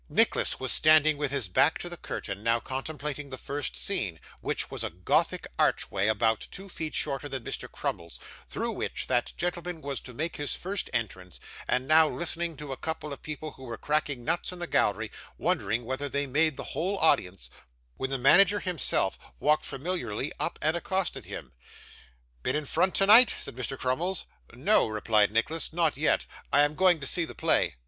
Nicholas was standing with his back to the curtain, now contemplating the first scene, which was a Gothic archway, about two feet shorter than Mr. Crummles, through which that gentleman was to make his first entrance, and now listening to a couple of people who were cracking nuts in the gallery, wondering whether they made the whole audience, when the manager himself walked familiarly up and accosted him. 'Been in front tonight?' said Mr. Crummles. 'No,' replied Nicholas, 'not yet. I am going to see the play.